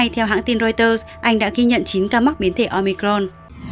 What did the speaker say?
theo hãng tin reuters anh đã ghi nhận chín ca mắc biến thể omicron